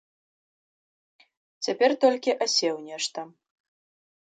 Цяпер толькі асеў нешта.